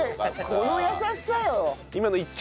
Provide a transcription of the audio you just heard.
この優しさよ。